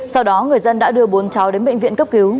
sau đó người dân đã đưa bốn cháu đến bệnh viện cấp cứu